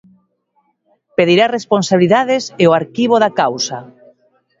Pedirá responsabilidades e o arquivo da causa.